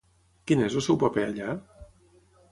Quin és el seu paper allà?